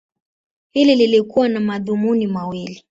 Hili lilikuwa na madhumuni mawili.